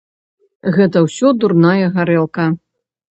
Гэта ўсё дурная гарэлка.